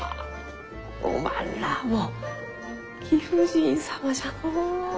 おまんらも貴婦人様じゃのう。